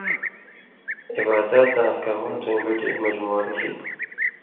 عبادات آں احکاماتوَیں بَٹیۡ (مجموعہ) تھی۔